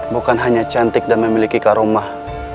bukan hanya cantik dan memiliki karomah